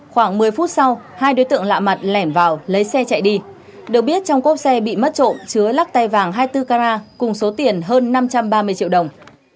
khoảng một mươi phút sau hai đối tượng lạ mặt lẻn vào lấy xe chạy đi được biết trong cốp xe bị mất trộm chứa lắc tay vàng hai mươi bốn carat cùng số tiền hơn năm trăm ba mươi triệu đồng